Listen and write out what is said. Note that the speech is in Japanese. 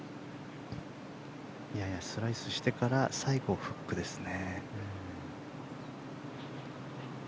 ややスライスしてから最後フックですね。